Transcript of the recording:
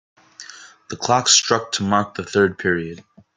The clock struck to mark the third period.